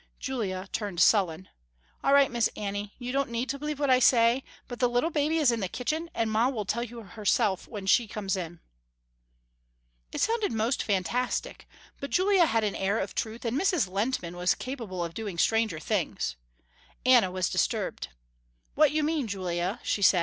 Julia turned sullen. "All right Miss Annie, you don't need to believe what I say, but the little baby is in the kitchen and ma will tell you herself when she comes in." It sounded most fantastic, but Julia had an air of truth and Mrs. Lehntman was capable of doing stranger things. Anna was disturbed. "What you mean Julia," she said.